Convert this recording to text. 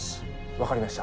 分かりました。